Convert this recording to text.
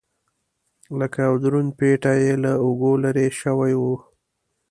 لکه یو دروند پېټی یې له اوږو لرې شوی و.